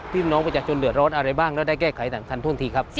พี่น้องประชาชนเดือดร้อนอะไรบ้างแล้วได้แก้ไขหนังทันท่วงทีครับ